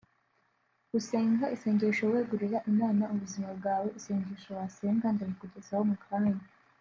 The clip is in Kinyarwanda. Gusenga isengesho wegurira Imana ubuzima bwawe(Isengesho wasenga ndarikugezaho mu kanya)